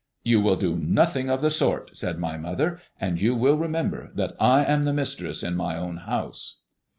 "You will do nothing of the sort," said my mother. "And you will remember that I am the mistress in my own house."